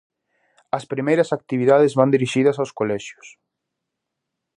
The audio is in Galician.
As primeiras actividades van dirixidas aos colexios.